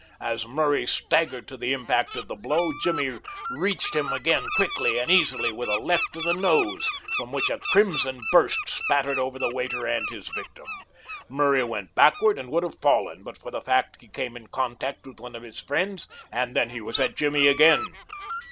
As Murray staggered to the impact of the blow Jimmy reached him again quickly and easily with a left to the nose, from which a crimson burst spattered over the waiter and his victim. Murray went backward and would have fallen but for the fact he came in contact with one of his friends, and then he was at Jimmy again.